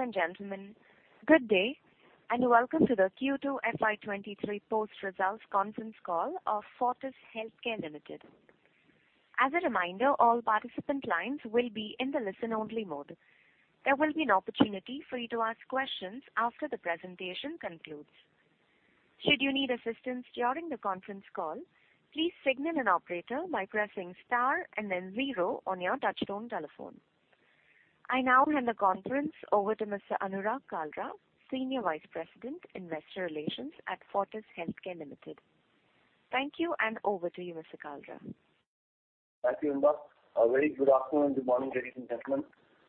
Ladies and gentlemen, good day, and welcome to the Q2 FY23 post-results conference call of Fortis Healthcare Limited. As a reminder, all participant lines will be in the listen-only mode. There will be an opportunity for you to ask questions after the presentation concludes. Should you need assistance during the conference call, please signal an operator by pressing star and then zero on your touchtone telephone. I now hand the conference over to Mr. Anurag Kalra, Senior Vice President, Investor Relations at Fortis Healthcare Limited. Thank you, and over to you, Mr. Kalra. Thank you, Inba. A very good afternoon, good morning, ladies and gentlemen,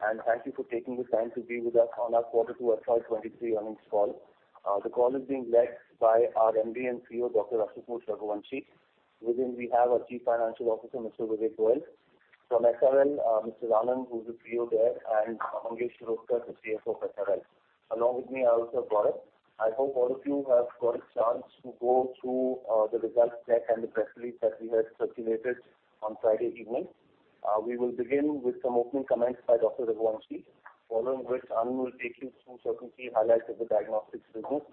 and thank you for taking the time to be with us on our Q2 FY 2023 earnings call. The call is being led by our MD and CEO, Dr. Ashutosh Raghuvanshi. With him we have our Chief Financial Officer, Mr. Vivek Goyal. From SRL, Mr. Anand, who is the CEO there, and Mangesh Shirodkar, the CFO of SRL. Along with me, I also have Gaurav. I hope all of you have got a chance to go through the results deck and the press release that we have circulated on Friday evening. We will begin with some opening comments by Dr. Raghuvanshi, following which Anand will take you through certain key highlights of the diagnostics business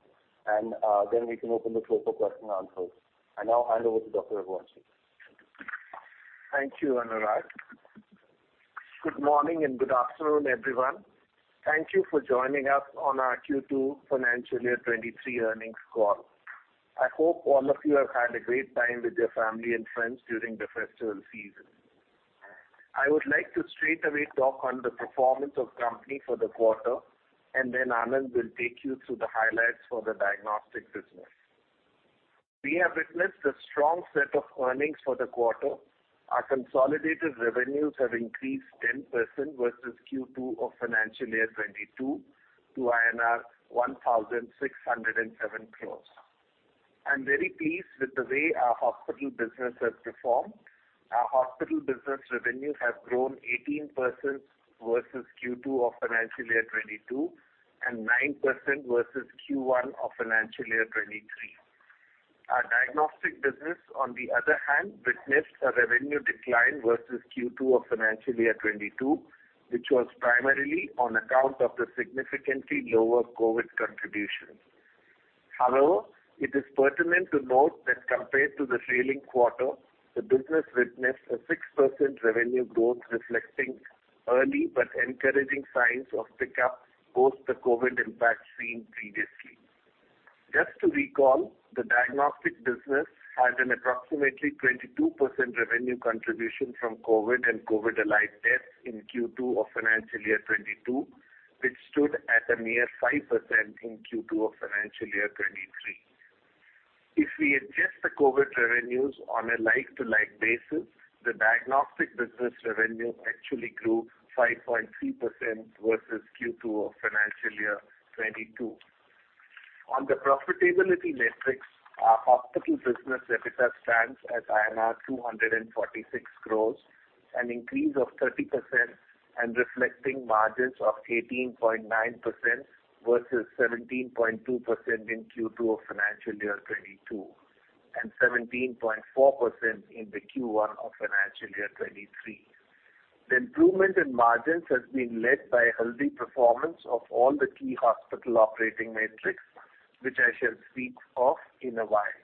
and then we can open the floor for question and answers. I now hand over to Dr. Thank you. Thank you, Anurag. Good morning and good afternoon, everyone. Thank you for joining us on our Q2 financial year 2023 earnings call. I hope all of you have had a great time with your family and friends during the festival season. I would like to straightaway talk on the performance of company for the quarter, and then Anand will take you through the highlights for the diagnostics business. We have witnessed a strong set of earnings for the quarter. Our consolidated revenues have increased 10% versus Q2 of financial year 2022 to INR 1,607 crores. I'm very pleased with the way our hospital business has performed. Our hospital business revenue has grown 18% versus Q2 of financial year 2022, and 9% versus Q1 of financial year 2023. Our diagnostic business, on the other hand, witnessed a revenue decline versus Q2 of financial year 2022, which was primarily on account of the significantly lower COVID contribution. However, it is pertinent to note that compared to the trailing quarter, the business witnessed a 6% revenue growth, reflecting early but encouraging signs of pick up post the COVID impact seen previously. Just to recall, the diagnostics business had an approximately 22% revenue contribution from COVID and COVID-aligned tests in Q2 of financial year 2022, which stood at a mere 5% in Q2 of financial year 2023. If we adjust the COVID revenues on a like-to-like basis, the diagnostics business revenue actually grew 5.3% versus Q2 of financial year 2022. On the profitability metrics, our hospital business EBITDA stands at INR 246 crores, an increase of 30% and reflecting margins of 18.9% versus 17.2% in Q2 of financial year 2022, and 17.4% in the Q1 of financial year 2023. The improvement in margins has been led by healthy performance of all the key hospital operating metrics, which I shall speak of in a while.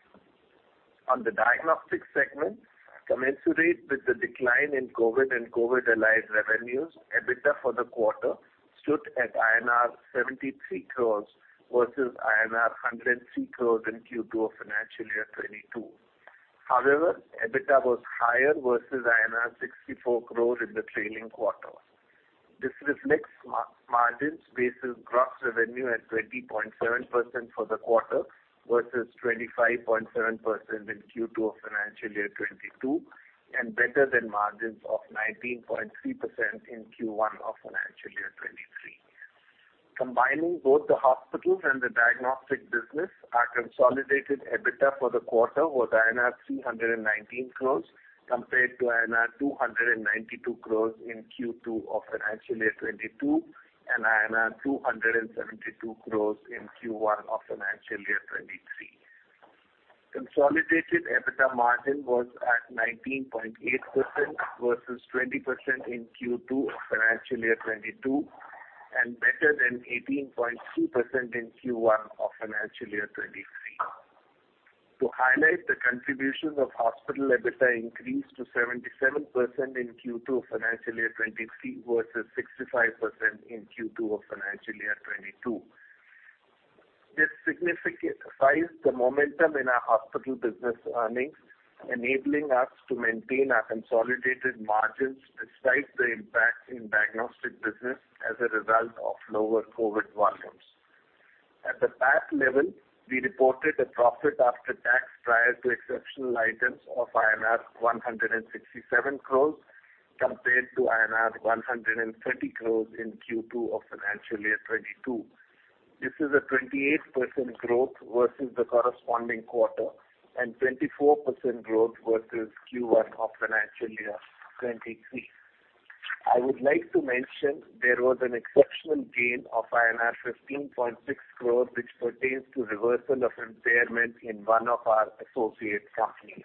On the diagnostics segment, commensurate with the decline in COVID and COVID-aligned revenues, EBITDA for the quarter stood at INR 73 crores versus INR 103 crores in Q2 of financial year 2022. However, EBITDA was higher versus INR 64 crores in the trailing quarter. This reflects margins versus gross revenue at 20.7% for the quarter versus 25.7% in Q2 of financial year 2022, and better than margins of 19.3% in Q1 of financial year 2023. Combining both the hospitals and the diagnostics business, our consolidated EBITDA for the quarter was INR 319 crores compared to INR 292 crores in Q2 of financial year 2022 and INR 272 crores in Q1 of financial year 2023. Consolidated EBITDA margin was at 19.8% versus 20% in Q2 of financial year 2022, and better than 18.2% in Q1 of financial year 2023. To highlight the contribution of hospital EBITDA, increased to 77% in Q2 of financial year 2023 versus 65% in Q2 of financial year 2022. This significant size, the momentum in our hospital business earnings enabling us to maintain our consolidated margins despite the impact in diagnostic business as a result of lower COVID volumes. At the PAT level, we reported a profit after tax prior to exceptional items of INR 167 crores compared to INR 130 crores in Q2 of financial year 2022. This is a 28% growth versus the corresponding quarter and 24% growth versus Q1 of financial year 2023. I would like to mention there was an exceptional gain of INR 15.6 crores, which pertains to reversal of impairment in one of our associate companies.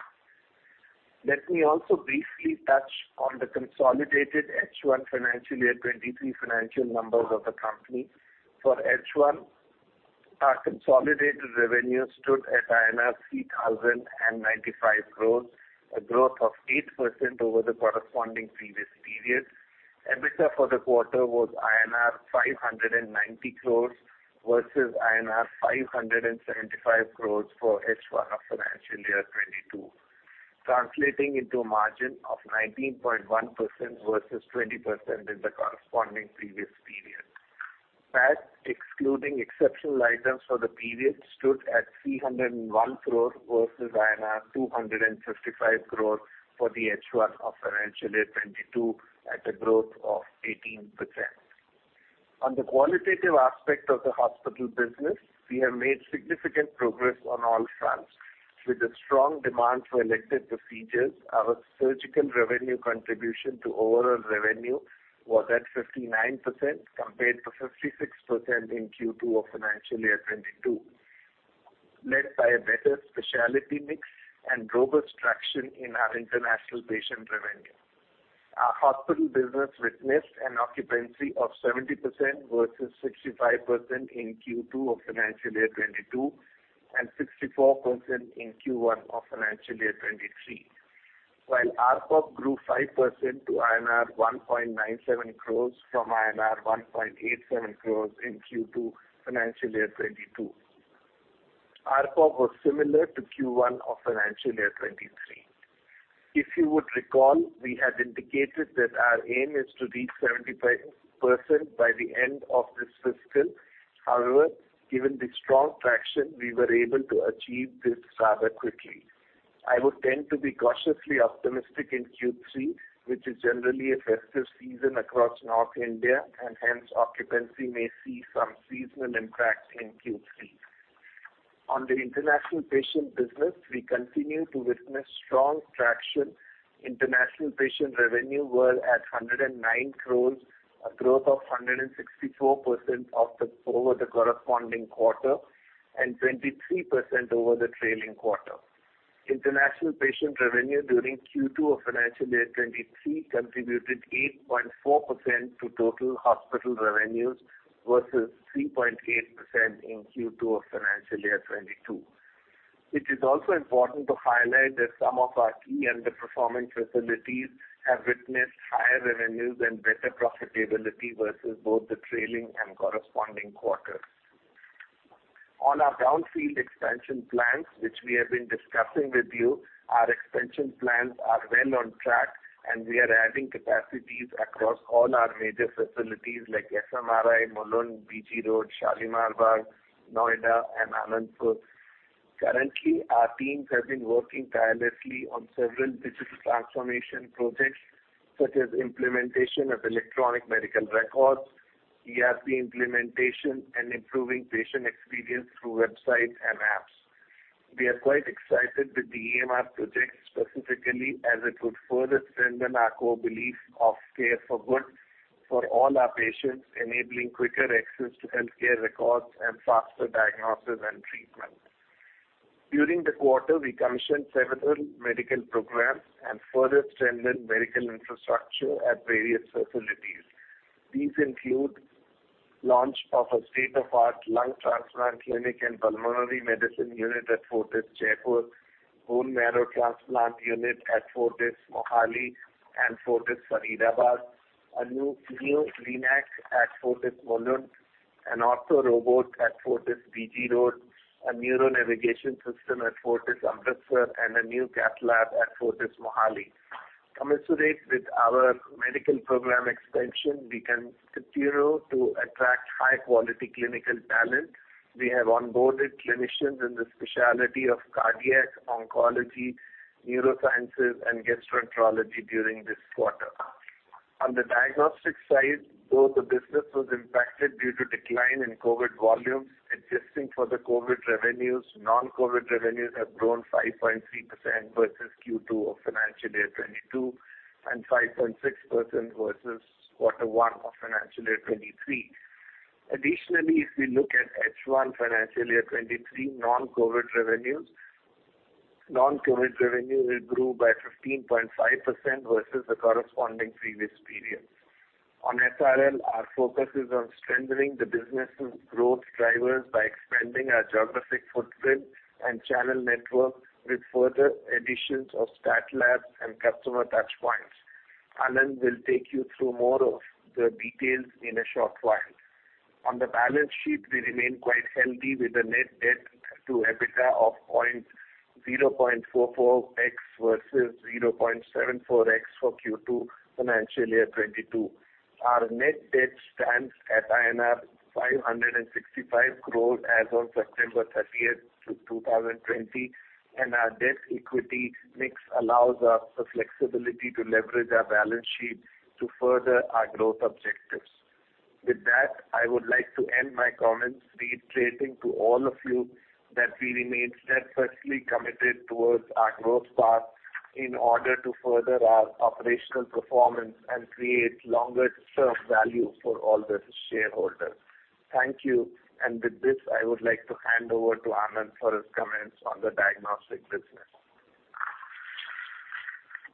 Let me also briefly touch on the consolidated H1 financial year 2023 financial numbers of the company. For H1, our consolidated revenue stood at INR 3,095 crores, a growth of 8% over the corresponding previous period. EBITDA for the quarter was INR 590 crores versus INR 575 crores for H1 of financial year 2022, translating into a margin of 19.1% versus 20% in the corresponding previous period. PAT, excluding exceptional items for the period, stood at 301 crore versus INR 255 crores for the H1 of financial year 2022, at a growth of 18%. On the qualitative aspect of the hospital business, we have made significant progress on all fronts. With a strong demand for elective procedures, our surgical revenue contribution to overall revenue was at 59% compared to 56% in Q2 of financial year 2022, led by a better specialty mix and robust traction in our international patient revenue. Our hospital business witnessed an occupancy of 70% versus 65% in Q2 of financial year 2022, and 64% in Q1 of financial year 2023. While ARPOB grew 5% to INR 1.97 crores from INR 1.87 crores in Q2 financial year 2022. ARPOB was similar to Q1 of financial year 2023. If you would recall, we had indicated that our aim is to reach 75% by the end of this fiscal. However, given the strong traction, we were able to achieve this rather quickly. I would tend to be cautiously optimistic in Q3, which is generally a festive season across North India, and hence occupancy may see some seasonal impact in Q3. On the international patient business, we continue to witness strong traction. International patient revenue were at 109 crores, a growth of 164% over the corresponding quarter and 23% over the trailing quarter. International patient revenue during Q2 of financial year 2023 contributed 8.4% to total hospital revenues versus 3.8% in Q2 of financial year 2022. It is also important to highlight that some of our key underperforming facilities have witnessed higher revenues and better profitability versus both the trailing and corresponding quarters. On our brownfield expansion plans, which we have been discussing with you, our expansion plans are well on track, and we are adding capacities across all our major facilities like SMRI, Mulund, BG Road, Shalimar Bagh, Noida and Anandpur. Currently, our teams have been working tirelessly on several digital transformation projects, such as implementation of electronic medical records, ERP implementation, and improving patient experience through websites and apps. We are quite excited with the EMR project specifically, as it would further strengthen our core belief of care for good for all our patients, enabling quicker access to healthcare records and faster diagnosis and treatment. During the quarter, we commissioned several medical programs and further strengthened medical infrastructure at various facilities. These include launch of a state-of-the-art lung transplant clinic and pulmonary medicine unit at Fortis Jaipur, bone marrow transplant unit at Fortis Mohali and Fortis Faridabad, a new Linac at Fortis Mulund, an ortho robot at Fortis BG Road, a neuro navigation system at Fortis Amritsar and a new cath lab at Fortis Mohali. Commensurate with our medical program expansion, we continue to attract high-quality clinical talent. We have onboarded clinicians in the specialty of cardiac, oncology, neurosciences, and gastroenterology during this quarter. On the diagnostic side, though the business was impacted due to decline in COVID volumes, adjusting for the COVID revenues, non-COVID revenues have grown 5.3% versus Q2 of financial year 2022, and 5.6% versus quarter one of financial year 2023. Additionally, if we look at H1 financial year 2023, non-COVID revenues grew by 15.5% versus the corresponding previous period. On SRL, our focus is on strengthening the business's growth drivers by expanding our geographic footprint and channel network with further additions of stat labs and customer touchpoints. Anand will take you through more of the details in a short while. On the balance sheet, we remain quite healthy with a net debt to EBITDA of 0.44x versus 0.74x for Q2 financial year 2022. Our net debt stands at INR 565 crores as of September thirtieth, 2020, and our debt equity mix allows us the flexibility to leverage our balance sheet to further our growth objectives. With that, I would like to end my comments, reiterating to all of you that we remain steadfastly committed towards our growth path in order to further our operational performance and create longer term value for all the shareholders. Thank you. With this, I would like to hand over to Anand for his comments on the diagnostic business.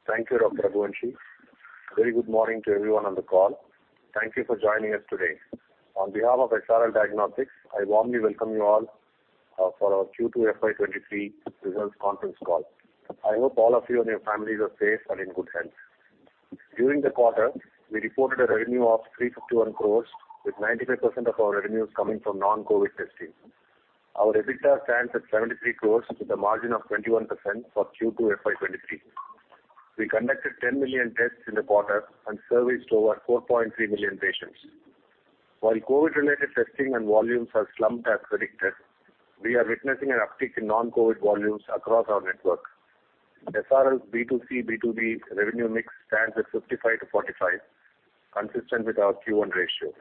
Thank you, Dr. Ashutosh Raghuvanshi. Very good morning to everyone on the call. Thank you for joining us today. On behalf of SRL Diagnostics, I warmly welcome you all for our Q2 FY23 results conference call. I hope all of you and your families are safe and in good health. During the quarter, we reported a revenue of 351 crore, with 95% of our revenues coming from non-COVID testing. Our EBITDA stands at 73 crore with a margin of 21% for Q2 FY23. We conducted 10 million tests in the quarter and serviced over 4.3 million patients. While COVID-related testing and volumes have slumped as predicted, we are witnessing an uptick in non-COVID volumes across our network. SRL B2C, B2B revenue mix stands at 55-45, consistent with our Q1 ratio.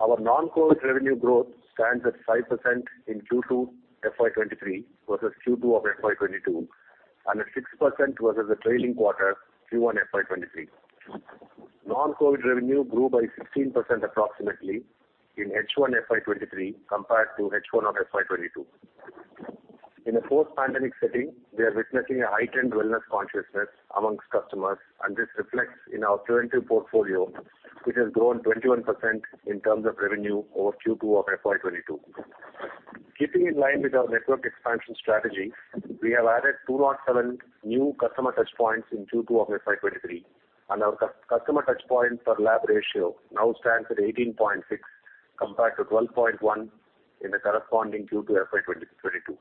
Our non-COVID revenue growth stands at 5% in Q2 FY 2023 versus Q2 of FY 2022, and at 6% versus the trailing quarter Q1 FY 2023. Non-COVID revenue grew by 16% approximately in H1 FY 2023 compared to H1 of FY 2022. In a post-pandemic setting, we are witnessing a heightened wellness consciousness among customers, and this reflects in our preventive portfolio, which has grown 21% in terms of revenue over Q2 of FY 2022. Keeping in line with our network expansion strategy, we have added 207 new customer touchpoints in Q2 of FY 2023, and our customer touchpoint per lab ratio now stands at 18.6 compared to 12.1 in the corresponding Q2 FY 2022.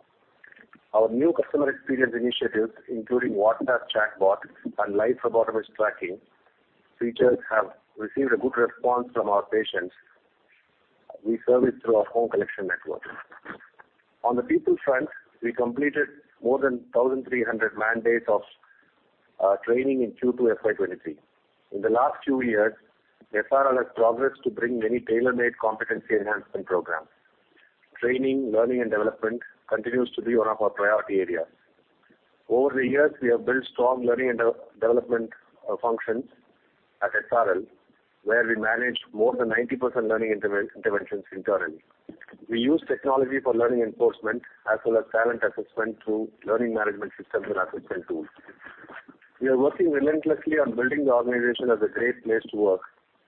Our new customer experience initiatives, including WhatsApp chatbot and live phlebotomist tracking features, have received a good response from our patients we service through our home collection network. On the people front, we completed more than 1,300 mandates of training in Q2 FY 2023. In the last two years, SRL has progressed to bring many tailor-made competency enhancement programs. Training, learning, and development continues to be one of our priority areas. Over the years, we have built strong learning and development functions at SRL, where we manage more than 90% learning interventions internally. We use technology for learning enforcement as well as talent assessment through learning management systems and assessment tools. We are working relentlessly on building the organization as a great place to work,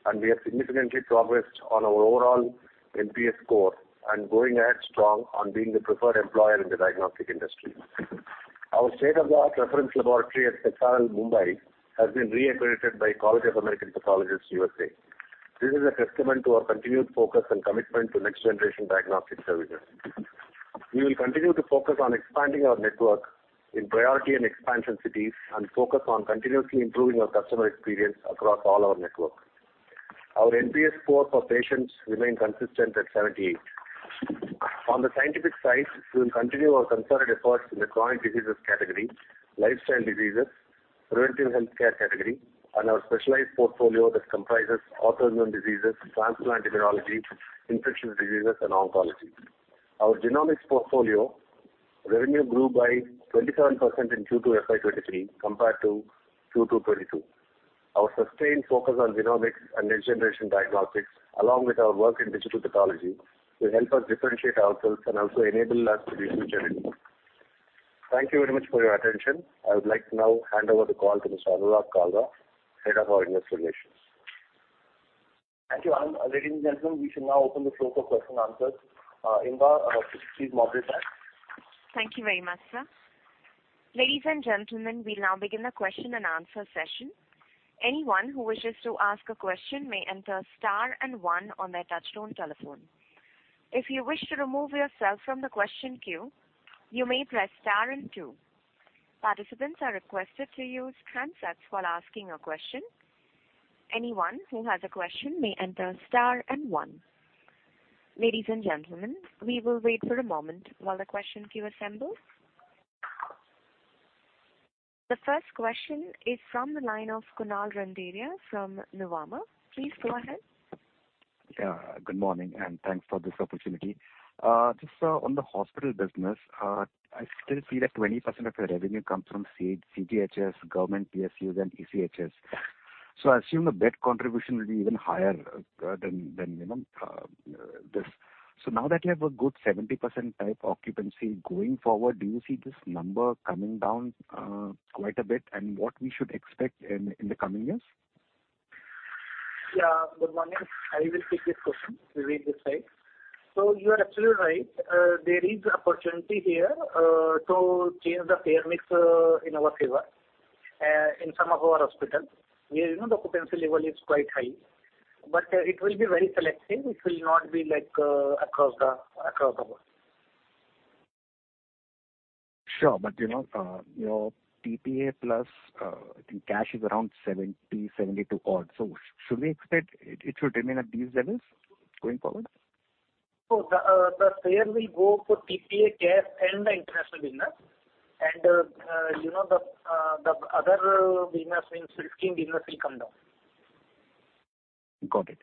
and we have significantly progressed on our overall NPS score and going ahead strong on being the preferred employer in the diagnostic industry. Our state-of-the-art reference laboratory at SRL Mumbai has been re-accredited by College of American Pathologists, USA. This is a testament to our continued focus and commitment to next-generation diagnostic services. We will continue to focus on expanding our network in priority and expansion cities and focus on continuously improving our customer experience across all our network. Our NPS score for patients remain consistent at 78. On the scientific side, we will continue our concerted efforts in the chronic diseases category, lifestyle diseases, preventive healthcare category, and our specialized portfolio that comprises autoimmune diseases, transplant immunology, infectious diseases, and oncology. Our genomics portfolio revenue grew by 27% in Q2 FY 2023 compared to Q2 2022. Our sustained focus on genomics and next-generation diagnostics, along with our work in digital pathology, will help us differentiate ourselves and also enable us to be future-ready. Thank you very much for your attention. I would like to now hand over the call to Mr. Anurag Kalra, Head of our Investor Relations. Thank you, Anand. Ladies and gentlemen, we should now open the floor for question and answers. Inba, please moderate that. Thank you very much, sir. Ladies and gentlemen, we now begin the question and answer session. Anyone who wishes to ask a question may enter star and one on their touchtone telephone. If you wish to remove yourself from the question queue, you may press star and two. Participants are requested to use handsets while asking a question. Anyone who has a question may enter star and one. Ladies and gentlemen, we will wait for a moment while the question queue assembles. The first question is from the line of Kunal Randeria from Nuvama. Please go ahead. Yeah, good morning, and thanks for this opportunity. Just on the hospital business, I still see that 20% of your revenue comes from CGHS, government PSUs, and ECHS. I assume the bed contribution will be even higher than you know this. Now that you have a good 70% type occupancy going forward, do you see this number coming down quite a bit, and what we should expect in the coming years? Yeah. Good morning. I will take this question with this side. You are absolutely right. There is opportunity here to change the payer mix in our favor in some of our hospitals, where, you know, the occupancy level is quite high. It will be very selective. It will not be like across the board. Sure. You know, your TPA plus, I think cash is around 70-72% odd. Should we expect it? It should remain at these levels going forward? The payer will go for TPA, cash, and the international business. You know, the other business in scheme business will come down. Got it.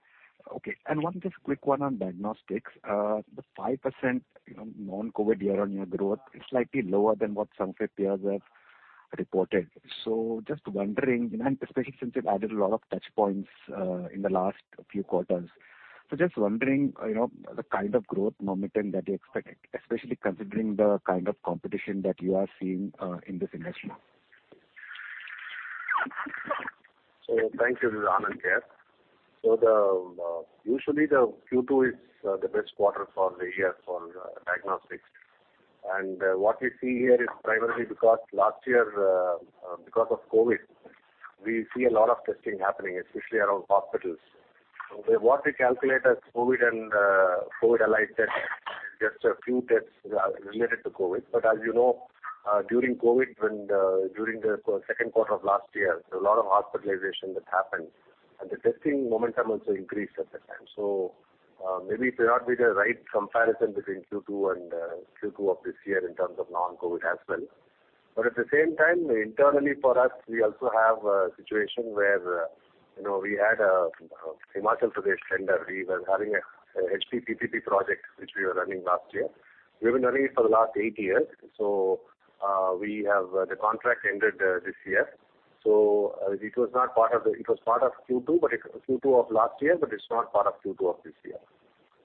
Okay. One just quick one on diagnostics. The 5%, you know, non-COVID year-on-year growth is slightly lower than what some of your peers have Just wondering, you know, especially since you've added a lot of touchpoints in the last few quarters. Just wondering, you know, the kind of growth momentum that you expect, especially considering the kind of competition that you are seeing in this industry. Thank you. This is Anand here. Usually the Q2 is the best quarter for the year for diagnostics. What we see here is primarily because last year because of COVID, we see a lot of testing happening, especially around hospitals. What we calculate as COVID and COVID-allied tests, just a few tests related to COVID. As you know, during COVID during the second quarter of last year, there was a lot of hospitalization that happened, and the testing momentum also increased at the time. Maybe it may not be the right comparison between Q2 and Q2 of this year in terms of non-COVID as well. At the same time, internally for us, we also have a situation where, you know, we had a Himachal Pradesh tender. We were having a HP PPP project which we were running last year. We've been running it for the last eight years. The contract ended this year, so it was not part of the. It was part of Q2, but Q2 of last year, but it's not part of Q2 of this year.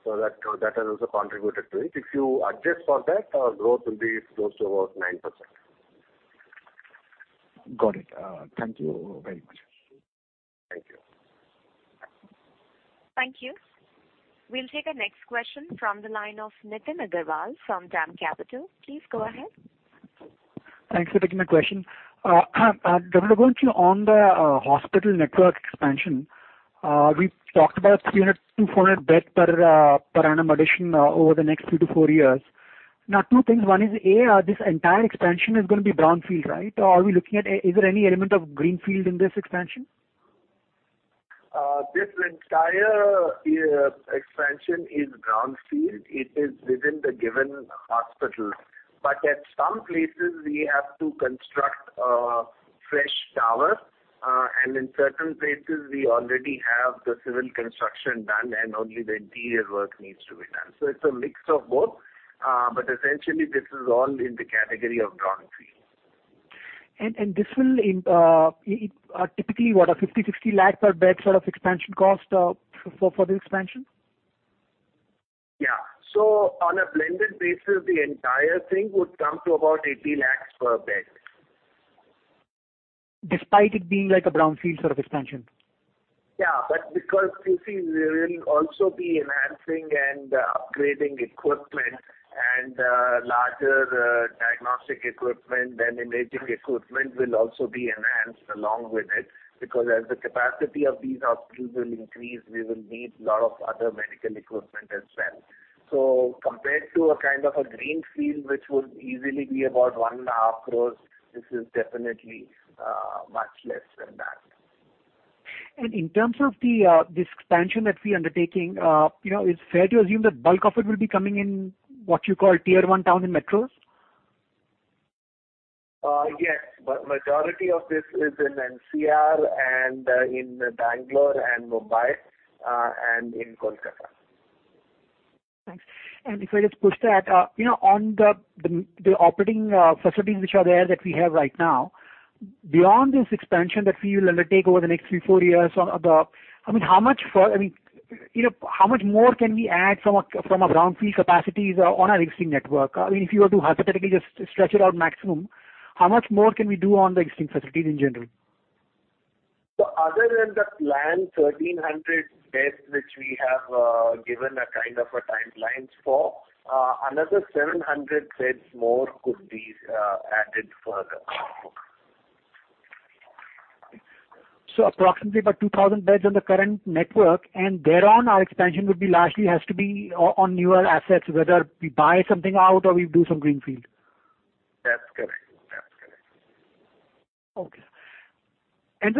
That has also contributed to it. If you adjust for that, our growth will be close to about 9%. Got it. Thank you very much. Thank you. Thank you. We'll take the next question from the line of Nitin Agarwal from DAM Capital. Please go ahead. Thanks for taking my question. Dr. Ashutosh Raghuvanshi, on the hospital network expansion, we talked about 300, 200-bed per annum addition over the next 3-4 years. Now, two things. One is, A, this entire expansion is gonna be brownfield, right? Or are we looking at. Is there any element of greenfield in this expansion? This entire expansion is brownfield. It is within the given hospitals. At some places we have to construct a fresh tower, and in certain places we already have the civil construction done and only the interior work needs to be done. It's a mix of both. Essentially this is all in the category of brownfield. This will typically what a 50-60 lakhs per bed sort of expansion cost for the expansion? Yeah. On a blended basis, the entire thing would come to about 18 lakhs per bed. Despite it being like a brownfield sort of expansion? Yeah. Because, you see, we will also be enhancing and upgrading equipment and, larger diagnostic equipment and imaging equipment will also be enhanced along with it. Because as the capacity of these hospitals will increase, we will need lot of other medical equipment as well. Compared to a kind of a greenfield, which would easily be about one and a half crores, this is definitely, much less than that. In terms of this expansion that we're undertaking, you know, it's fair to assume that bulk of it will be coming in what you call tier one town and metros? Yes. Majority of this is in NCR and in Bangalore and Mumbai, and in Kolkata. Thanks. If I just push that, you know, on the operating facilities which are there that we have right now, beyond this expansion that we will undertake over the next three, four years, I mean, how much more can we add from a brownfield capacities on our existing network? I mean, if you were to hypothetically just stretch it out maximum, how much more can we do on the existing facilities in general? Other than the planned 1,300 beds which we have given a kind of a timeline for, another 700 beds more could be added further. Approximately about 2,000 beds on the current network, and thereon our expansion would be largely has to be on newer assets, whether we buy something out or we do some greenfield. That's correct. Okay. In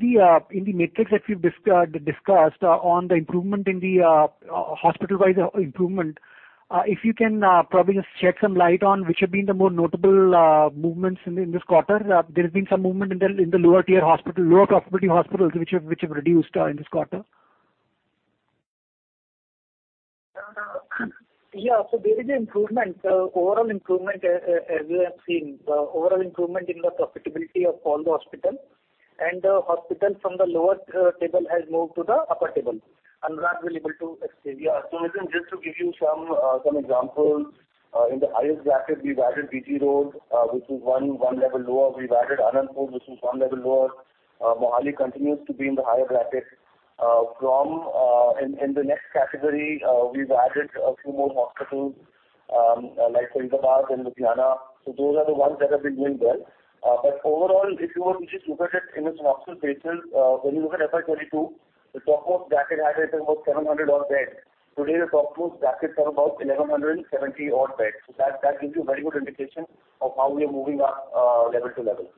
the metrics that we've discussed on the improvement in the hospital-wise improvement, if you can probably just shed some light on which have been the more notable movements in this quarter. There has been some movement in the lower tier hospital, lower profitability hospitals which have reduced in this quarter. No, no. Yeah. There is an improvement, overall improvement as we have seen. Overall improvement in the profitability of all the hospitals. The hospital from the lower table has moved to the upper table. Anurag will able to explain. Yeah. Just to give you some examples, in the highest bracket we've added BG Road, which is one level lower. We've added Anandpur, which is one level lower. Mohali continues to be in the higher bracket. In the next category, we've added a few more hospitals, like Faridabad and Ludhiana. Those are the ones that have been doing well. Overall, if you were to just look at it in its absolute basis, when you look at FY 2022, the topmost bracket had about 700-odd beds. Today the topmost bracket is at about 1,170-odd beds. That gives you a very good indication of how we are moving up, level to level.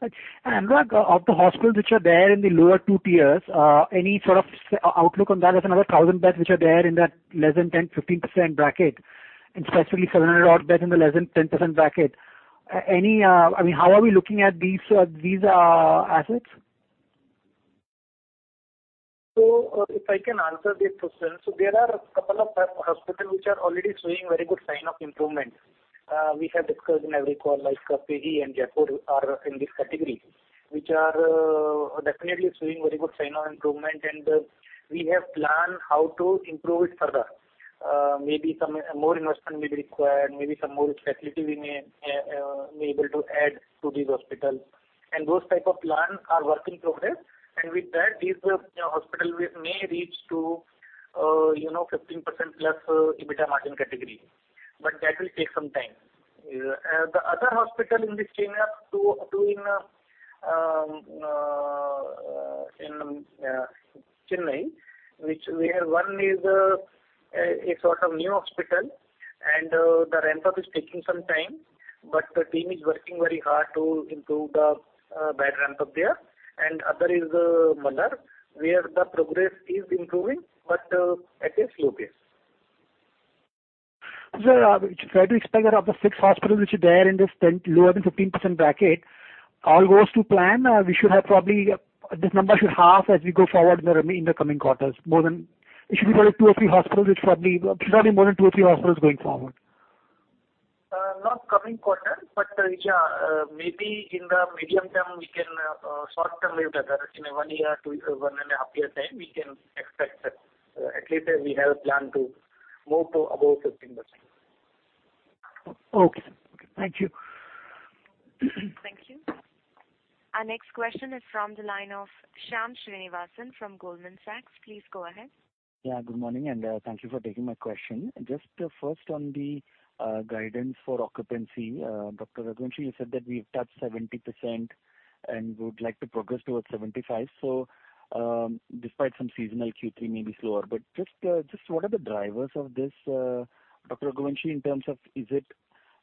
Right. Anurag, of the hospitals which are there in the lower two tiers, any sort of outlook on that? There's another 1,000 beds which are there in that less than 10%-15% bracket, and specifically 700-odd beds in the less than 10% bracket. I mean, how are we looking at these assets? If I can answer this question. There are a couple of hospitals which are already showing very good sign of improvement. We have discussed in every call, like, PG and Jaipur are in this category, which are definitely showing very good sign of improvement. We have planned how to improve it further. Maybe some more investment may be required, maybe some more facility we may be able to add to these hospitals. Those type of plans are work in progress. With that, these hospitals may reach to, you know, 15%+ EBITDA margin category. That will take some time. The other hospital in this chain are two in Chennai, which we have one is a sort of new hospital and the ramp-up is taking some time, but the team is working very hard to improve the bed ramp-up there. Other is Vellore, where the progress is improving, but at a slow pace. Sir, if I had to speculate, of the six hospitals which are there in this 10 lower than 15% bracket, all goes to plan, we should have probably this number should half as we go forward in the coming quarters, more than. It should be probably two or three hospitals, which probably should not be more than two or three hospitals going forward. Not in the coming quarter, but yeah, maybe in the medium term, we can sort them a little better. In a 1.5-year time, we can expect that. At least we have planned to move to above 15%. Okay. Thank you. Thank you. Our next question is from the line of Shyam Srinivasan from Goldman Sachs. Please go ahead. Yeah, good morning, and thank you for taking my question. Just first on the guidance for occupancy, Dr. Raghuvanshi, you said that we've touched 70% and would like to progress towards 75. Despite some seasonal Q3 may be slower. Just what are the drivers of this, Dr. Raghuvanshi, in terms of is it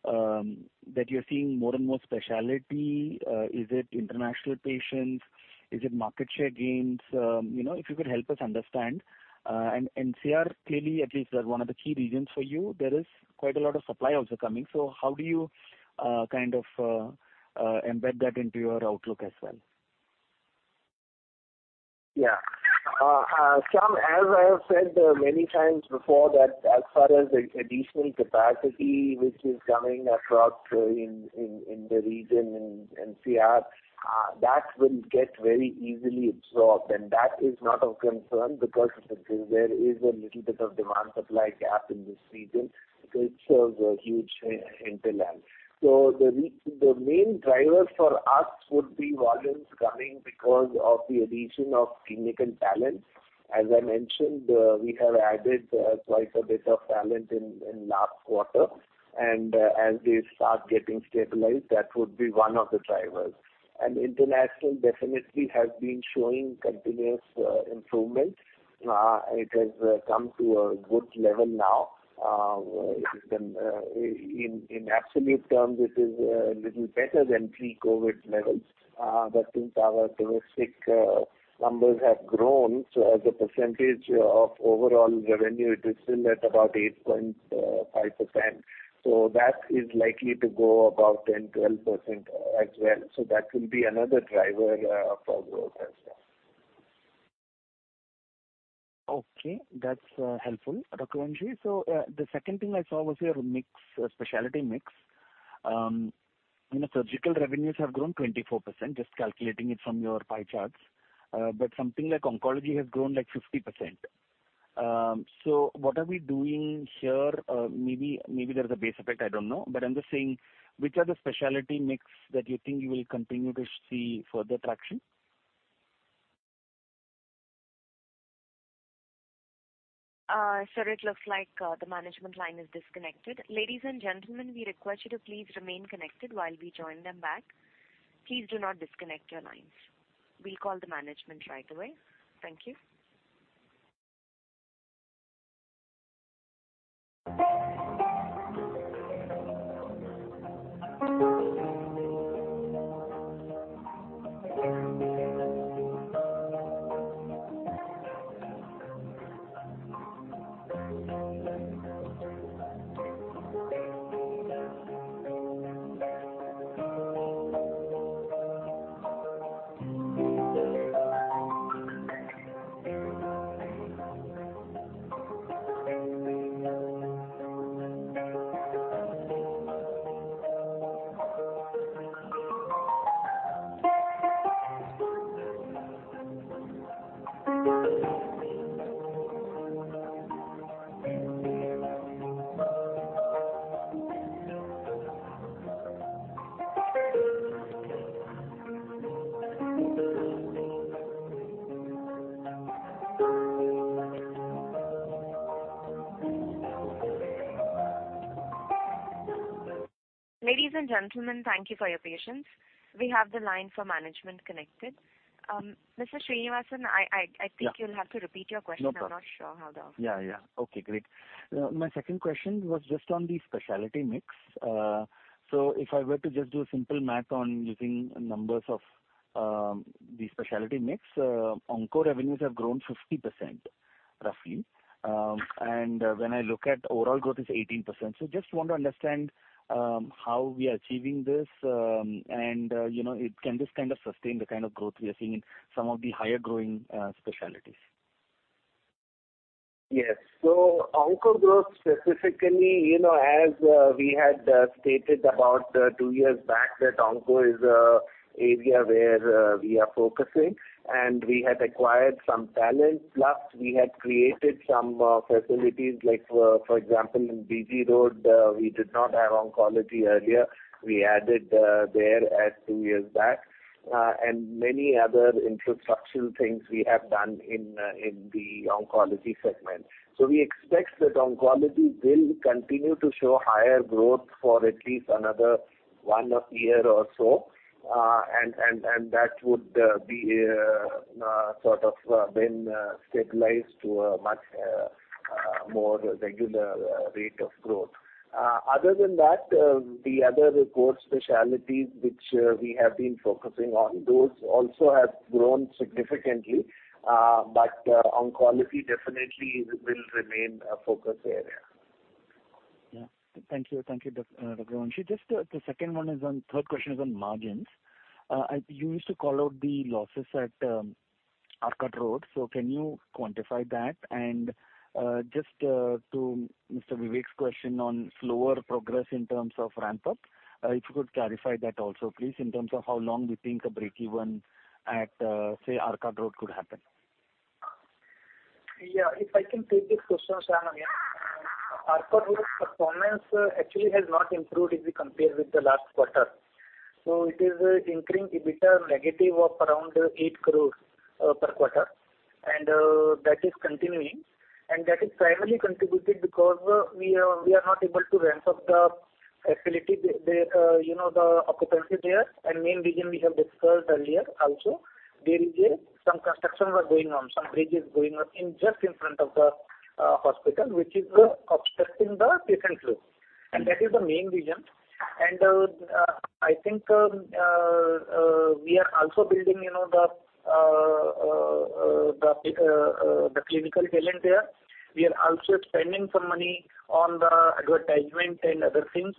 that you're seeing more and more specialty. Is it international patients. Is it market share gains. You know, if you could help us understand. NCR clearly at least are one of the key reasons for you. There is quite a lot of supply also coming. How do you kind of embed that into your outlook as well. Yeah. Shyam, as I have said many times before that as far as the additional capacity which is coming across in the region in NCR, that will get very easily absorbed, and that is not of concern because there is a little bit of demand-supply gap in this region. It serves a huge hinterland. The main driver for us would be volumes coming because of the addition of clinical talent. As I mentioned, we have added quite a bit of talent in last quarter. As they start getting stabilized, that would be one of the drivers. International definitely has been showing continuous improvement. It has come to a good level now. It has been in absolute terms, it is little better than pre-COVID levels. Since our domestic numbers have grown, so as a percentage of overall revenue, it is still at about 8.5%. That is likely to go above 10-12% as well. That will be another driver for growth as well. Okay. That's helpful, Dr. Raghuvanshi. The second thing I saw was your mix, specialty mix. You know, surgical revenues have grown 24%, just calculating it from your pie charts. Something like oncology has grown, like, 50%. What are we doing here? Maybe there's a base effect, I don't know. I'm just saying, which are the specialty mix that you think you will continue to see further traction? Sir, it looks like the management line is disconnected. Ladies and gentlemen, we request you to please remain connected while we join them back. Please do not disconnect your lines. We'll call the management right away. Thank you. Ladies and gentlemen, thank you for your patience. We have the line for management connected. Mr. Srinivasan, I think- Yeah. You'll have to repeat your question. No problem. I'm not sure how the. Yeah, yeah. Okay, great. My second question was just on the specialty mix. So if I were to just do a simple math on using numbers of the specialty mix, onco revenues have grown 50%. Roughly. When I look at overall growth is 18%. Just want to understand how we are achieving this. You know, can this kind of sustain the kind of growth we are seeing in some of the higher growing specialties? Yes. Onco growth specifically, you know, as we had stated about two years back that onco is an area where we are focusing, and we had acquired some talent. Plus we had created some facilities like, for example, in BG Road, we did not have oncology earlier. We added there two years back. And many other infrastructural things we have done in the oncology segment. We expect that oncology will continue to show higher growth for at least another one year or so. And that would be sort of then stabilize to a much more regular rate of growth. Other than that, the other core specialties which we have been focusing on, those also have grown significantly. Oncology definitely will remain a focus area. Yeah. Thank you. Thank you, Dr. Vanshi. Just the third question is on margins. You used to call out the losses at Arcot Road. Can you quantify that? Just to Mr. Vivek's question on slower progress in terms of ramp up, if you could clarify that also, please, in terms of how long do you think a breakeven at, say, Arcot Road could happen? Yeah. If I can take this question, Shyam, again. Arcot Road performance actually has not improved if we compare with the last quarter. It is incurring EBITDA negative of around 8 crores per quarter. That is continuing. That is primarily contributed because we are not able to ramp up the facility there. You know, the occupancy there and main reason we have discussed earlier also. There is some construction going on, some bridge is going on just in front of the hospital, which is obstructing the patient flow. That is the main reason. I think we are also building you know the clinical talent there. We are also spending some money on the advertisement and other things.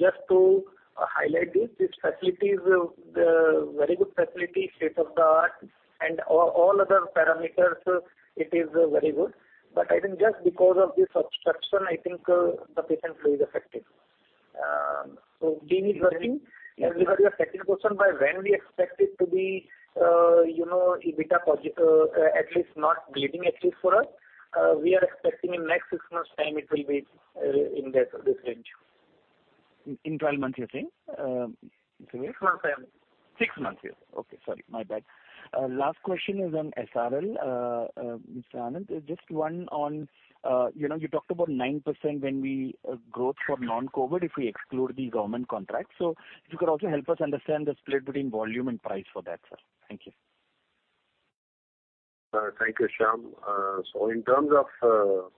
Just to highlight this facility is very good facility, state of the art, and all other parameters, it is very good. I think just because of this obstruction, I think the patient flow is affected. Team is working. Regarding your second question, by when we expect it to be EBITDA positive, at least not bleeding, at least for us, we are expecting in next 6 months' time it will be in that, this range. In 12 months, you're saying, Vivek? Six months' time. Six months, yes. Okay. Sorry. My bad. Last question is on SRL. Mr. Anand, just one on, you know, you talked about 9% growth for non-COVID if we exclude the government contract. If you could also help us understand the split between volume and price for that, sir. Thank you. Thank you, Shyam. So in terms of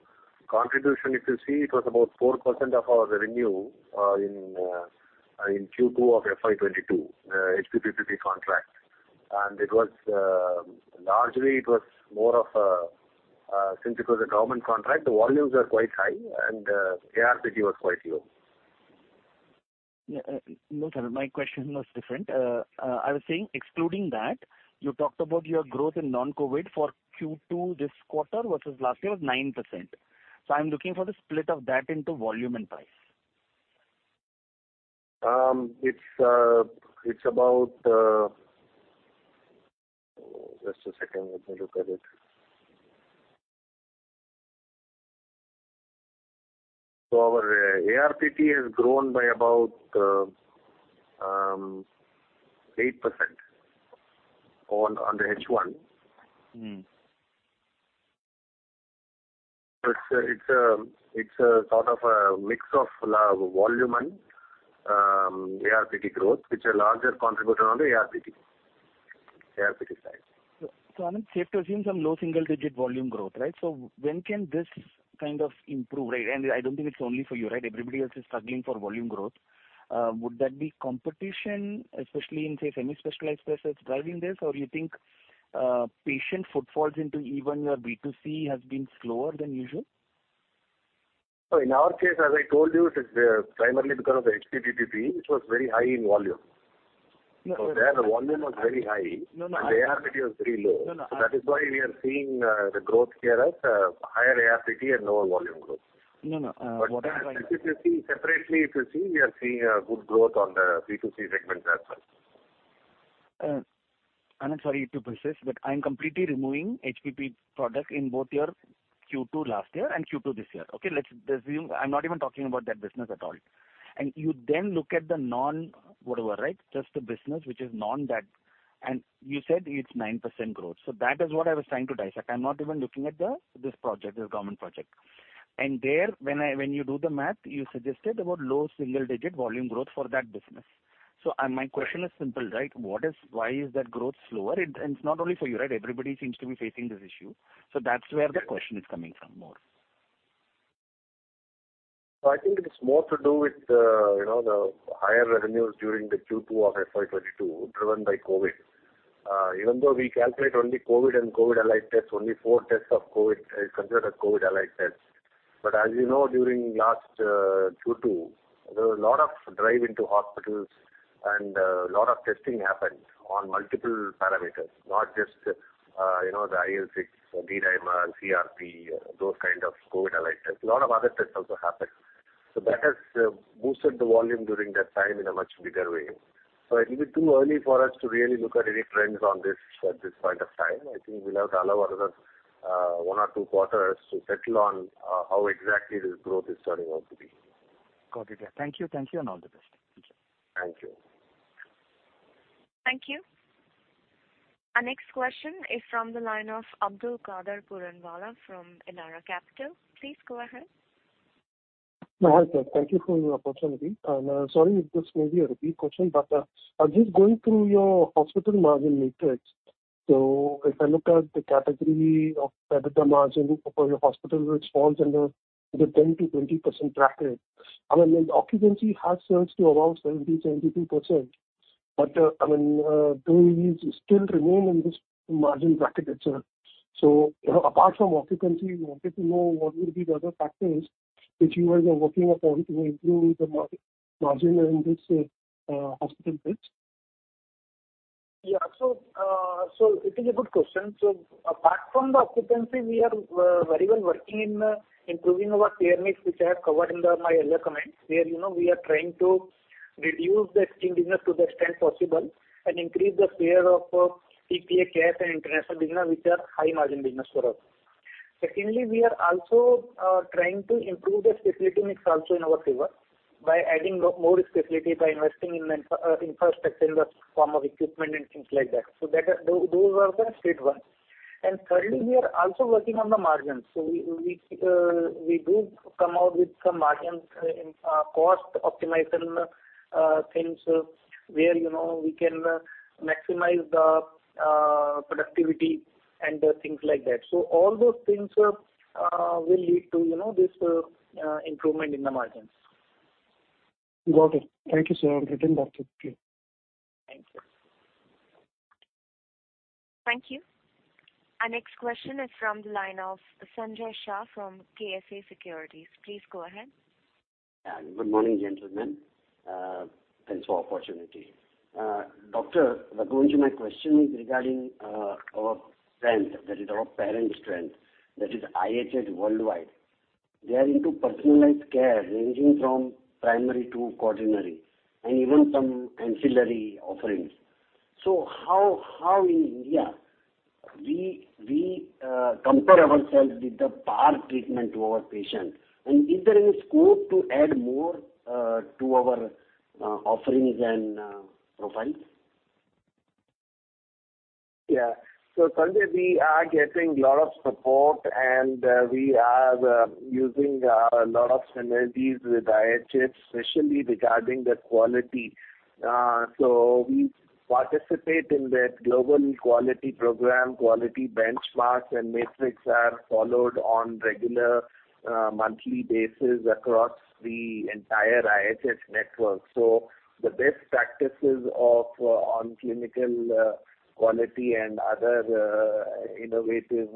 contribution, if you see, it was about 4% of our revenue in Q2 of FY 2022, HP PPP contract. It was largely more of, since it was a government contract, the volumes were quite high and ARPT was quite low. Yeah, no, sir. My question was different. I was saying excluding that, you talked about your growth in non-COVID for Q2 this quarter versus last year was 9%. I'm looking for the split of that into volume and price. Just a second. Let me look at it. Our ARPT has grown by about 8% on the H1. Mm. It's a sort of a mix of volume and ARPT growth, which are larger contributor on the ARPT side. Anand, safe to assume some low single digit volume growth, right? When can this kind of improve, right? I don't think it's only for you, right? Everybody else is struggling for volume growth. Would that be competition, especially in, say, semi-specialized spaces driving this? Or you think, patient footfalls into even your B2C has been slower than usual? In our case, as I told you, it is primarily because of the HP PPP, which was very high in volume. No, no. Their volume was very high. No, no. the ARPT was very low. No, no. That is why we are seeing the growth here as higher ARPT and lower volume growth. No, no. What I'm trying If you see separately, we are seeing a good growth on the B2C segment as well. Anand, sorry to persist, but I'm completely removing HP PPP project in both your Q2 last year and Q2 this year. Okay? Let's assume I'm not even talking about that business at all. You then look at the non whatever, right? Just the business which is non that, and you said it's 9% growth. That is what I was trying to dissect. I'm not even looking at this project, this government project. There, when you do the math, you suggested about low single digit volume growth for that business. My question is simple, right? Why is that growth slower? And it's not only for you, right? Everybody seems to be facing this issue. That's where the question is coming from more. I think it is more to do with, you know, the higher revenues during the Q2 of FY 2022 driven by COVID. Even though we calculate only COVID and COVID-allied tests, only four tests of COVID is considered COVID-allied tests. As you know, during last Q2, there was a lot of drive into hospitals and, lot of testing happened on multiple parameters, not just, you know, the IL-6, d-dimer, CRP, those kind of COVID-allied tests. A lot of other tests also happened. That has boosted the volume during that time in a much bigger way. It will be too early for us to really look at any trends on this at this point of time. I think we'll have to allow another, one or two quarters to settle on, how exactly this growth is turning out to be. Got it. Yeah. Thank you. Thank you, and all the best. Thank you. Thank you. Thank you. Our next question is from the line of Abdulkader Puranwala from Elara Capital. Please go ahead. Hi, sir. Thank you for your opportunity. Sorry if this may be a repeat question, but I'm just going through your hospital margin matrix. If I look at the margin for your hospital, which falls under the 10%-20% bracket, I mean, the occupancy has surged to around 70-72%. Though it is still remain in this margin bracket itself. You know, apart from occupancy, we wanted to know what will be the other factors which you guys are working upon to improve the margin in this hospital beds. Yeah. It is a good question. Apart from the occupancy, we are very well working in improving our care mix, which I have covered in my earlier comments, where, you know, we are trying to reduce the existing business to the extent possible and increase the share of TPA, Cash and international business, which are high margin business for us. Secondly, we are also trying to improve the specialty mix also in our favor by adding more specialty, by investing in infrastructure in the form of equipment and things like that. That those are the stage one. Thirdly, we are also working on the margins. We do come out with some margins in cost optimization things where, you know, we can maximize the productivity and things like that. All those things will lead to, you know, this improvement in the margins. Got it. Thank you, sir. I'll get back to you. Thanks, sir. Thank you. Our next question is from the line of Sanjay Shah from KSA Shares and Securities. Please go ahead. Yeah. Good morning, gentlemen. Thanks for opportunity. Dr. Ashutosh Raghuvanshi, my question is regarding our strength, that is our parent strength. That is IHH Healthcare. They are into personalized care ranging from primary to quaternary and even some ancillary offerings. How in India we compare ourselves with the parent treatment to our patient? Is there any scope to add more to our offerings and profiles? Yeah. Sanjay, we are getting a lot of support, and we are using a lot of synergies with IHH, especially regarding the quality. We participate in their global quality program, quality benchmarks and metrics are followed on a regular monthly basis across the entire IHH network. The best practices of clinical quality and other innovative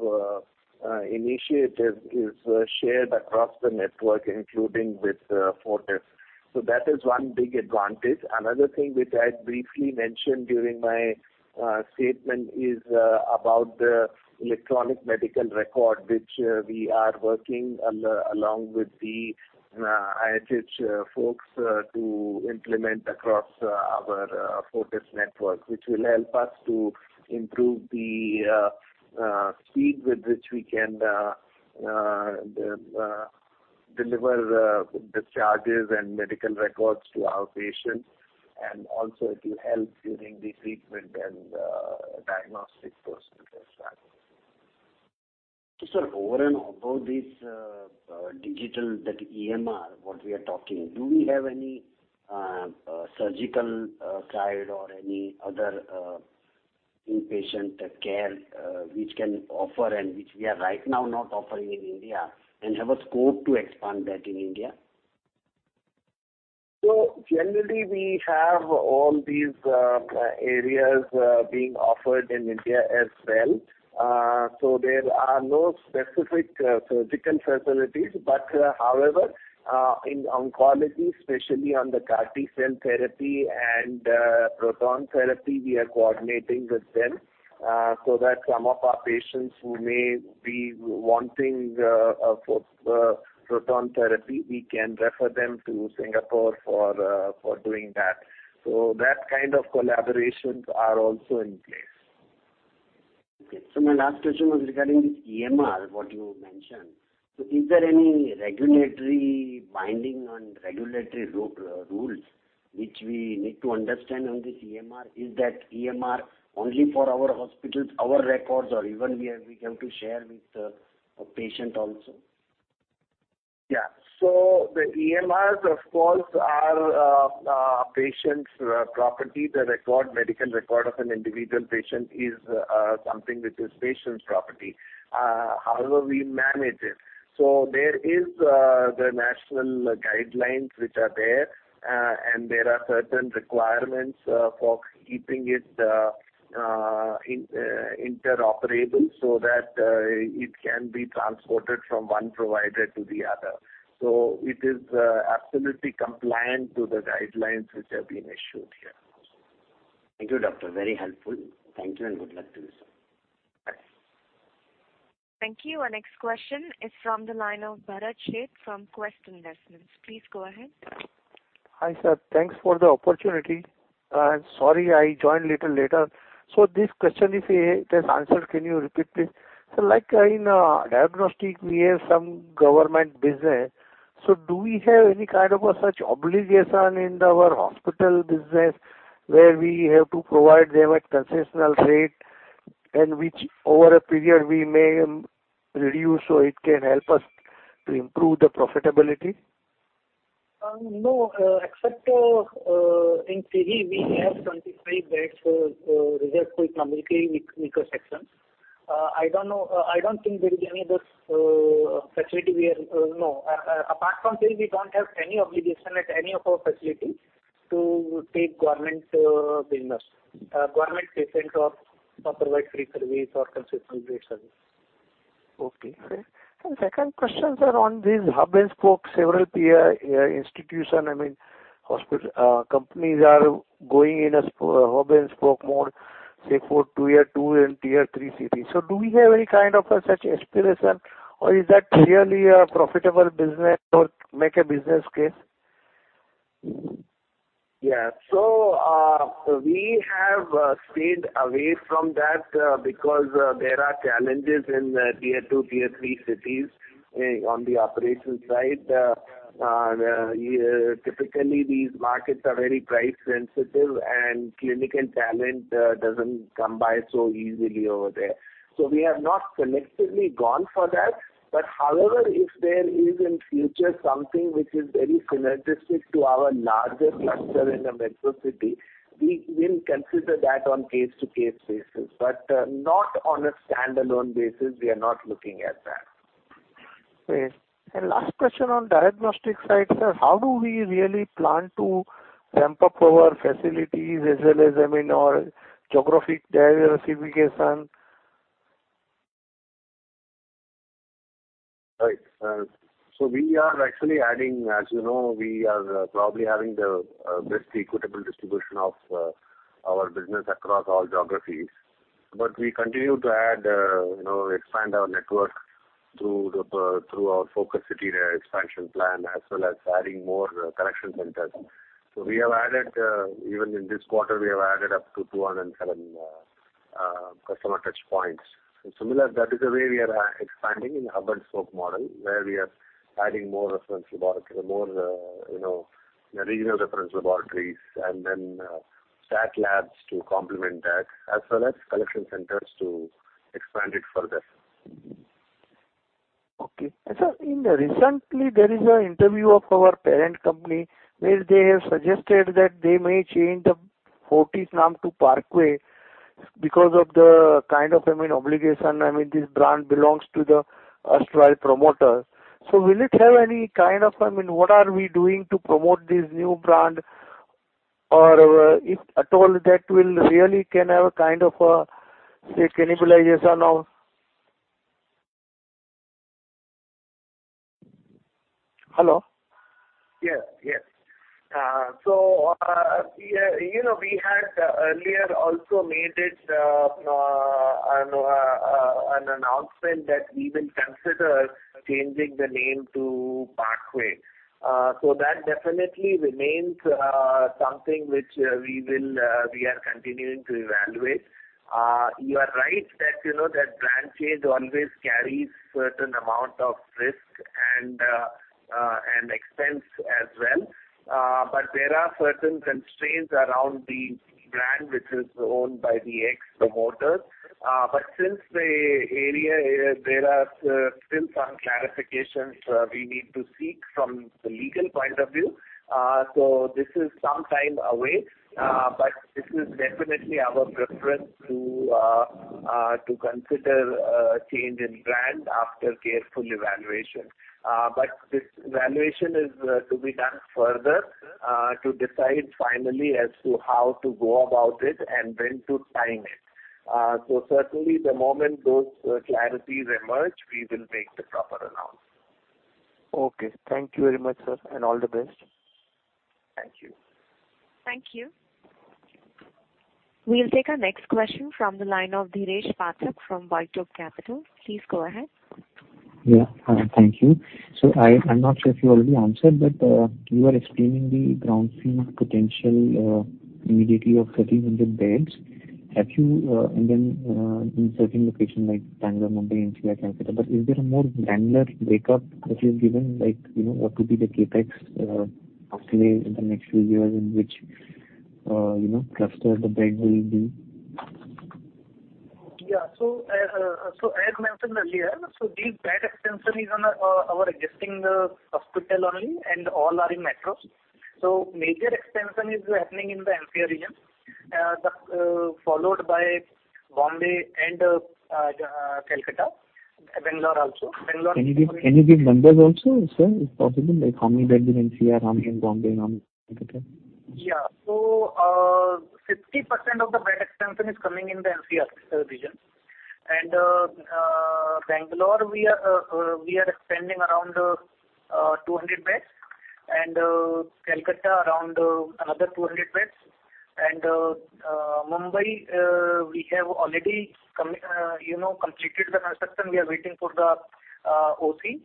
initiatives is shared across the network, including with Fortis. That is one big advantage. Another thing which I had briefly mentioned during my statement is about the electronic medical record, which we are working along with the IHH folks to implement across our Fortis network, which will help us to improve the speed with which we can deliver discharges and medical records to our patients, and also it will help during the treatment and diagnostic process as well. Sir, over and above this, digital, that EMR what we are talking, do we have any surgical side or any other inpatient care which can offer and which we are right now not offering in India and have a scope to expand that in India? Generally we have all these areas being offered in India as well. There are no specific surgical facilities. In oncology, especially on the CAR T-cell therapy and proton therapy, we are coordinating with them so that some of our patients who may be wanting for proton therapy, we can refer them to Singapore for doing that. That kind of collaborations are also in place. Okay. My last question was regarding this EMR, what you mentioned. Is there any regulatory binding or regulatory rules which we need to understand on this EMR? Is that EMR only for our hospitals, our records or even we have to share with the patient also? Yeah. The EMRs, of course, are patient's property. The record, medical record of an individual patient is something which is patient's property. However, we manage it. There is the national guidelines which are there, and there are certain requirements for keeping it interoperable so that it can be transported from one provider to the other. It is absolutely compliant to the guidelines which have been issued here. Thank you, doctor. Very helpful. Thank you and good luck to you, sir. Thanks. Thank you. Our next question is from the line of Bharat Sheth from Quest Investments. Please go ahead. Hi, sir. Thanks for the opportunity. Sorry I joined little later. This question, if it has answered, can you repeat please? Like in diagnostic we have some government business, so do we have any kind of a such obligation in our hospital business where we have to provide them at concessional rate and which over a period we may reduce so it can help us to improve the profitability? No. Except in Delhi we have 25 beds reserved for economically weaker sections. I don't know. I don't think there is any other facility. No. Apart from Delhi, we don't have any obligation at any of our facility to take government business, government patients or provide free service or concessional rate service. Okay. Second question, sir, on this hub-and-spoke several tier institution, I mean, hospital, companies are going in a hub-and-spoke mode, say for tier two and tier three cities. Do we have any kind of a such aspiration or is that really a profitable business or make a business case? Yeah. We have stayed away from that because there are challenges in the tier two, tier three cities on the operations side. Typically these markets are very price sensitive and clinical talent doesn't come by so easily over there. We have not selectively gone for that. However, if there is in future something which is very synergistic to our larger cluster in a metro city, we will consider that on case to case basis. Not on a standalone basis, we are not looking at that. Okay. Last question on diagnostic side, sir, how do we really plan to ramp up our facilities as well as, I mean, our geographic diversification? Right. So we are actually adding, as you know, we are probably having the best equitable distribution of our business across all geographies. We continue to add, you know, expand our network through our focus city expansion plan, as well as adding more collection centers. So we have added even in this quarter up to 207 customer touchpoints. Similarly, that is the way we are expanding in hub-and-spoke model, where we are adding more reference laboratory, more regional reference laboratories, and then stat labs to complement that, as well as collection centers to expand it further. Okay. Sir, recently there is an interview of our parent company where they have suggested that they may change the Fortis name to Parkway because of the kind of, I mean, obligation. I mean, this brand belongs to the erstwhile promoter. Will it have any kind of impact? I mean, what are we doing to promote this new brand? Or, if at all that will really can have a kind of, say cannibalization of the brand? Hello? Yes, you know, we had earlier also made an announcement that we will consider changing the name to Parkway. That definitely remains something which we are continuing to evaluate. You are right that, you know, that brand change always carries a certain amount of risk and expense as well. There are certain constraints around the brand which is owned by the ex-promoter. Since there are still some clarifications we need to seek from the legal point of view, this is some time away. This is definitely our preference to consider a change in brand after careful evaluation. This valuation is to be done further to decide finally as to how to go about it and when to time it. Certainly the moment those clarities emerge, we will make the proper announcement. Okay. Thank you very much, sir, and all the best. Thank you. Thank you. We'll take our next question from the line of Dheeresh Pathak from WhiteOak Capital. Please go ahead. Yeah. Thank you. I'm not sure if you already answered, but you are explaining the ground floor potential immediately of 1,300 beds in certain locations like Bangalore, Mumbai, Delhi and Kolkata. Is there a more granular breakup which is given like, you know, what could be the CapEx outlay in the next few years in which, you know, cluster the bed will be- Yeah. As mentioned earlier, the bed extension is on our existing hospital only and all are in metros. Major extension is happening in the NCR region, followed by Bombay and Calcutta. Bangalore also. Can you give numbers also, sir, if possible? Like how many beds in NCR, how many in Bombay and how many in Calcutta? Yeah. 50% of the bed extension is coming in the NCR region. Bangalore we are expanding around 200 beds and Calcutta around another 200 beds. Mumbai, we have already you know, completed the construction. We are waiting for the OC.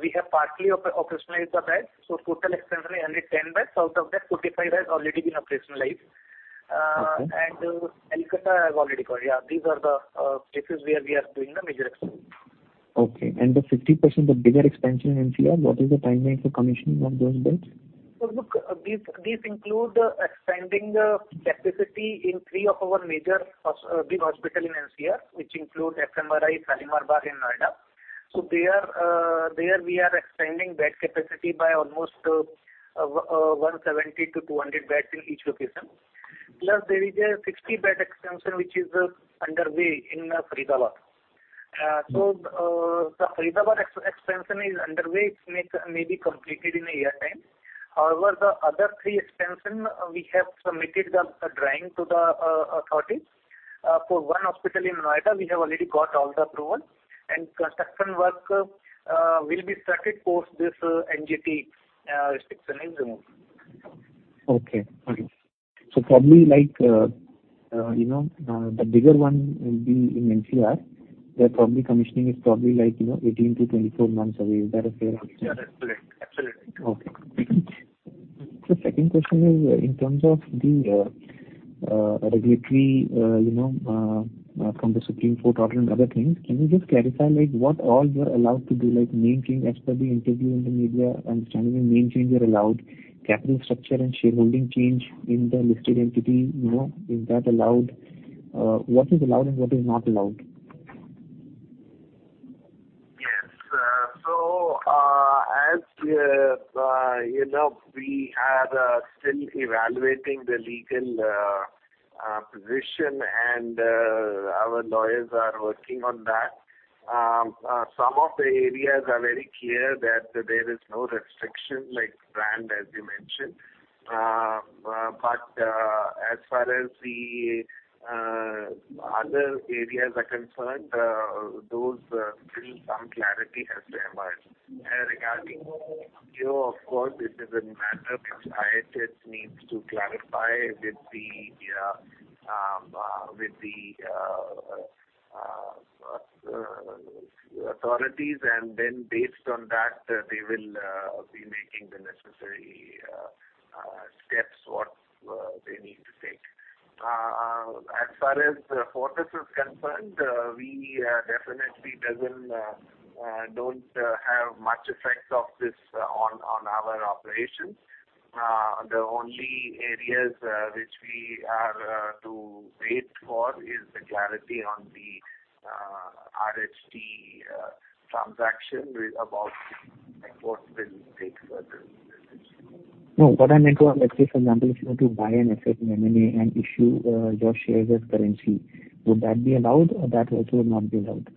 We have partly operationalized the beds. Total expansion is only 10 beds, out of that 45 beds already been operationalized. Okay. Calcutta has already got. Yeah, these are the places where we are doing the major expansion. Okay. The 50%, the bigger expansion in NCR, what is the timeline for commissioning of those beds? Look, these include expanding the capacity in three of our major big hospitals in NCR, which include SMRI, Shalimar Bagh in Noida. There we are expanding bed capacity by almost 170-200 beds in each location. Plus there is a 60-bed extension which is underway in Faridabad. The Faridabad expansion is underway. It may be completed in a year time. However, the other three expansion, we have submitted the drawing to the authorities. For one hospital in Noida, we have already got all the approval. Construction work will be started post this NGT restriction is removed. Probably like, you know, the bigger one will be in NCR, where probably commissioning is probably like, you know, 18-24 months away. Is that a fair assumption? Yeah, that's correct. Absolutely. Okay. The second question is in terms of the regulatory, you know, from the Supreme Court of India order and other things, can you just clarify like what all you are allowed to do? Like name change as per the interview in the media, understanding the name change you're allowed, capital structure and shareholding change in the listed entity, you know, is that allowed? What is allowed and what is not allowed? Yes. As you know, we are still evaluating the legal position and our lawyers are working on that. Some of the areas are very clear that there is no restriction like brand as you mentioned. But as far as the other areas are concerned, those still some clarity has to emerge. Regarding MPO, of course, this is a matter which IHH needs to clarify with the authorities, and then based on that they will be making the necessary steps what they need to take. As far as Fortis is concerned, we definitely don't have much effects of this on our operations. The only areas which we are to wait for is the clarity on the RHT transaction with about like what will take further. No, what I meant was, let's say for example, if you want to buy an asset in M&A and issue your shares as currency, would that be allowed or that also would not be allowed?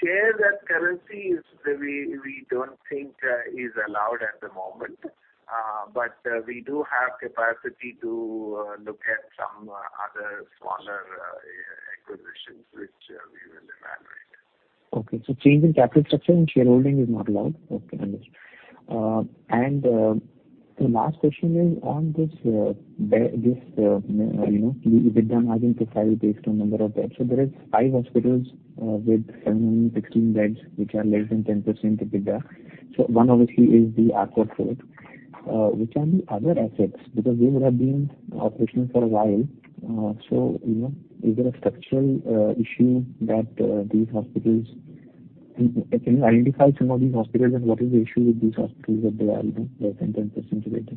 Share as currency, we don't think, is allowed at the moment. We do have capacity to look at some other smaller acquisitions which we will evaluate. Okay. Change in capital structure and shareholding is not allowed. Okay, understood. The last question is on this bed, this you know, EBITDA margin profile based on number of beds. There is five hospitals with 716 beds which are less than 10% EBITDA. One obviously is the Arcot Road. Which are the other assets because they would have been operational for a while. Is there a structural issue that these hospitals? Can you identify some of these hospitals and what is the issue with these hospitals that they are, you know, less than 10% EBITDA?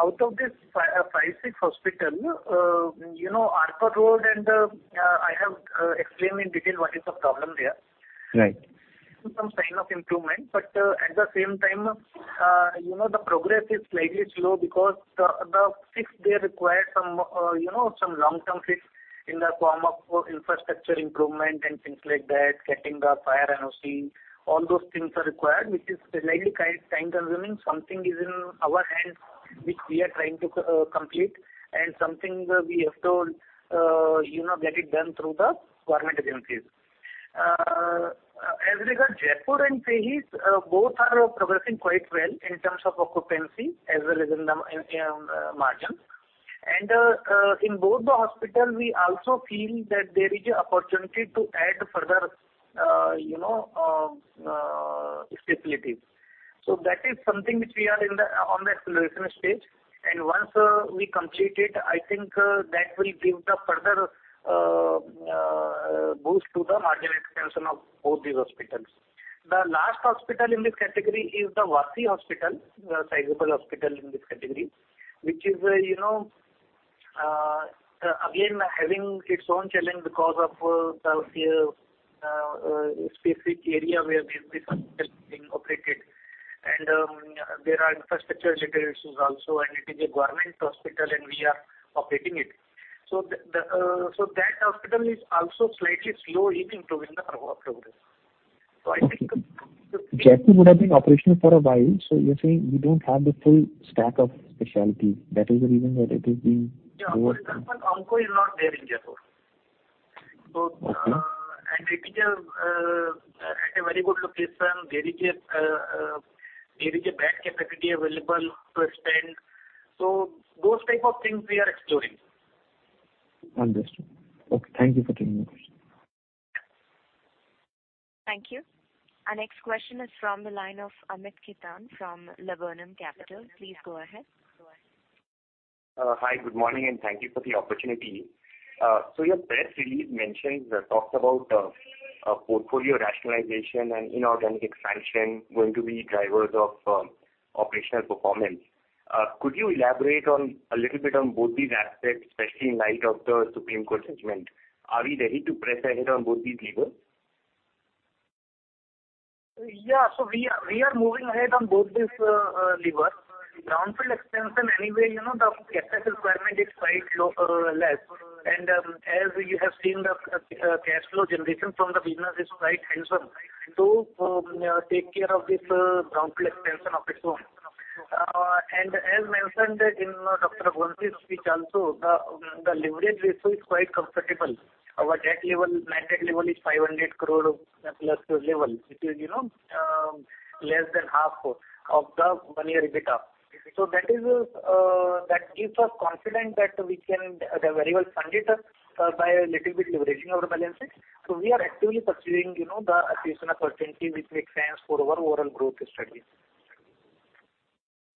Out of this five, six hospital, you know, Arcot Road and I have explained in detail what is the problem there. Right. Some sign of improvement, but at the same time, you know, the progress is slightly slow because the fix there require some, you know, some long-term fix in the form of infrastructure improvement and things like that, getting the fire NOC, all those things are required, which is slightly time-consuming. Something is in our hands, which we are trying to complete, and something we have to, you know, get it done through the government agencies. As regards Jaipur and Tehri, both are progressing quite well in terms of occupancy as well as in the margin. In both the hospital, we also feel that there is a opportunity to add further, you know, facilities. That is something which we are in the exploration stage. Once we complete it, I think that will give the further boost to the margin expansion of both these hospitals. The last hospital in this category is the Vashi Hospital, sizable hospital in this category, which is, you know, again, having its own challenge because of the specific area where this hospital is being operated. There are infrastructure challenges also, and it is a government hospital, and we are operating it. That hospital is also slightly slow in improving the overall progress. I think the- Jaipur would have been operational for a while, so you're saying you don't have the full stack of specialty. That is the reason that it is being lower? Onco is not there in Jaipur. Okay. It is at a very good location. There is a bed capacity available to extend. Those type of things we are exploring. Understood. Okay, thank you for taking my question. Thank you. Our next question is from the line of Amit Kirtane from Laburnum Capital. Please go ahead. Hi, good morning, and thank you for the opportunity. Your press release mentions or talks about portfolio rationalization and inorganic expansion going to be drivers of operational performance. Could you elaborate a little bit on both these aspects, especially in light of the Supreme Court judgment? Are you ready to press ahead on both these levers? Yeah. We are moving ahead on both these levers. Brownfield expansion anyway, you know, the CapEx requirement is quite low. As you have seen, the cash flow generation from the business is quite handsome to take care of this brownfield expansion of its own. As mentioned in Dr. Ghose's speech also, the leverage ratio is quite comfortable. Our debt level, net debt level is 500 crore plus level, which is, you know, less than half of the one-year EBITDA. That gives us confidence that we can very well fund it by a little bit leveraging our balances. We are actively pursuing, you know, the acquisition opportunity which makes sense for our overall growth strategy.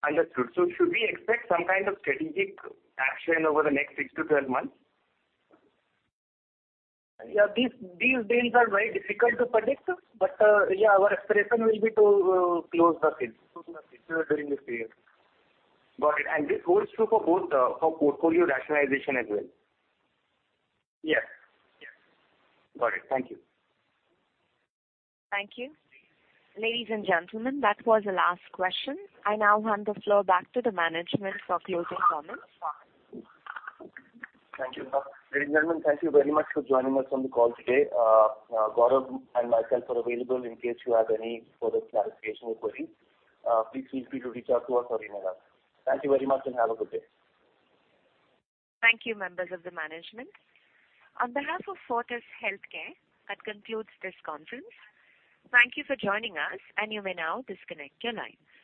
Understood. Should we expect some kind of strategic action over the next 6-12 months? Yeah. These things are very difficult to predict, but yeah, our aspiration will be to close the deals during this period. Got it. This holds true for both, for portfolio rationalization as well? Yes. Yes. Got it. Thank you. Thank you. Ladies and gentlemen, that was the last question. I now hand the floor back to the management for closing comments. Thank you. Ladies and gentlemen, thank you very much for joining us on the call today. Gaurav and myself are available in case you have any further clarification or queries. Please feel free to reach out to us or email us. Thank you very much and have a good day. Thank you, members of the management. On behalf of Fortis Healthcare, that concludes this conference. Thank you for joining us, and you may now disconnect your lines.